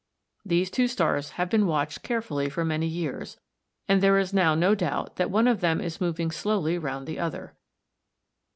These two stars have been watched carefully for many years, and there is now no doubt that one of them is moving slowly round the other.